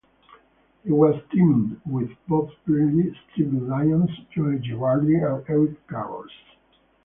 He has teamed with Bob Brenly, Steve Lyons, Joe Girardi, and Eric Karros.